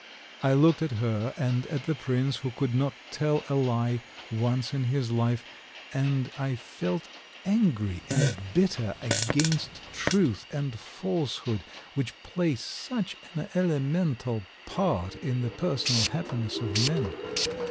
I looked at her and at the prince who could not tell a lie once in his life, and I felt angry and bitter against truth and falsehood, which play such an elemental part in the personal happiness of men.